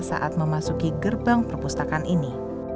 saat memasuki gerbang perpustakaan ini